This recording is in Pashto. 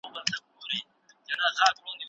آیا تاسو د طبیعي علومو په اړه څه پوهیږئ؟